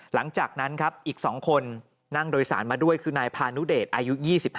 หลังจากนั้นครับอีก๒คนนั่งโดยสารมาด้วยคือนายพานุเดชอายุ๒๕